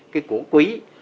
cái củ quý